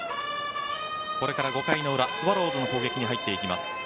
これから５回の裏スワローズの攻撃に入っていきます。